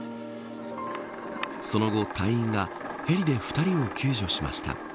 その後、隊員がヘリで２人を救助しました。